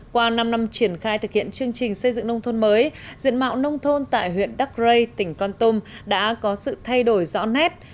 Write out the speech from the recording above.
qua năm năm triển khai thực hiện chương trình xây dựng nông thôn mới diện mạo nông thôn tại huyện đắc rây tỉnh con tum đã có sự thay đổi rõ nét